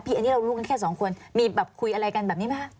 อันนี้เรารู้กันแค่สองคนมีแบบคุยอะไรกันแบบนี้ไหม